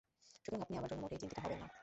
সুতরাং আপনি আমার জন্য মোটেই চিন্তিত হবেন না।